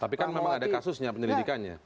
tapi kan memang ada kasusnya penyelidikannya